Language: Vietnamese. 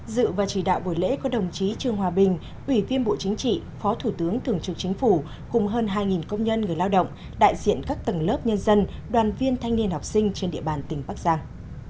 dự và chỉ đạo buổi lễ có đồng chí trương hòa bình ủy viên bộ chính trị phó thủ tướng thường trực chính phủ cùng hơn hai công nhân người lao động đại diện các tầng lớp nhân dân đoàn viên thanh niên học sinh trên địa bàn tỉnh bắc giang